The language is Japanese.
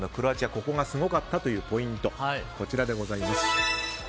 ここがすごかったというポイント。